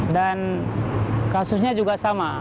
dan kasusnya juga sama